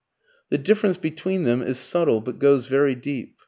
The difference between them is subtle but goes very deep.